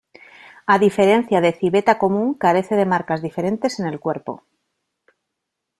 A diferencia de civeta común, carece de marcas diferentes en el cuerpo.